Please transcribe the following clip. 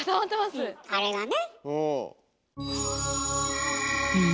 あれがね？